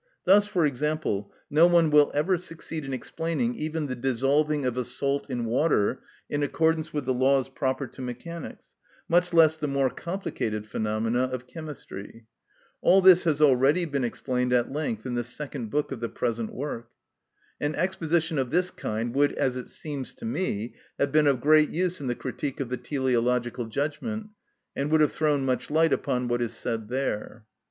Thus, for example, no one will ever succeed in explaining even the dissolving of a salt in water in accordance with the laws proper to mechanics, much less the more complicated phenomena of chemistry. All this has already been explained at length in the second book of the present work. An exposition of this kind would, as it seems to me, have been of great use in the "Critique of the Teleological Judgment," and would have thrown much light upon what is said there.